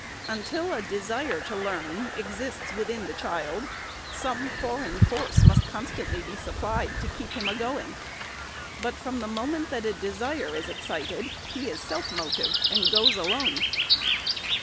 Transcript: Until a desire to learn exists within the child, some foreign force must constantly be supplied to keep him agoing; but from the moment that a desire is ex cited, he is self motive, and goes alone.